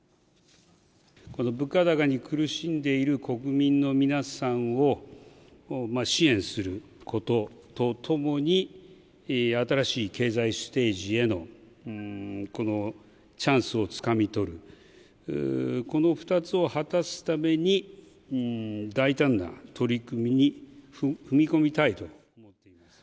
この物価高に苦しんでいる国民の皆さんを支援することとともに、新しい経済ステージへのこのチャンスをつかみ取る、この２つを果たすために、大胆な取り組みに踏み込みたいと思っています。